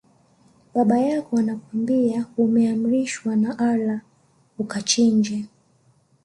Baba yako anakwambia ameamrishwa na Allah akuchinje